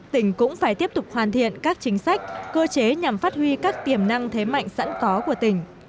tỉnh cũng phải tiếp tục hoàn thiện các chính sách cơ chế nhằm phát huy các tiềm năng thế mạnh sẵn có của tỉnh